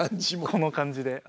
この感じで？